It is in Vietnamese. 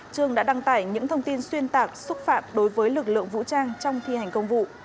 trường đã đăng tải những thông tin xuyên tạc xúc phạm đối với lực lượng vũ trang trong thi hành công vụ